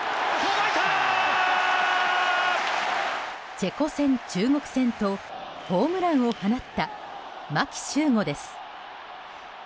チェコ戦、中国戦とホームランを放った牧秀悟です。